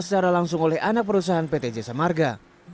secara langsung oleh anak perusahaan pt j samarga